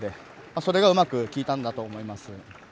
それがうまく効いたんだと思います。